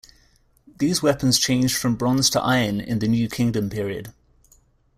These weapons changed from bronze to iron in the New Kingdom period.